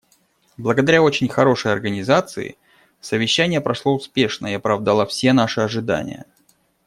Благодаря очень хорошей организации совещание прошло успешно и оправдало все наши ожидания.